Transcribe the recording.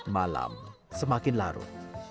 malam semakin larut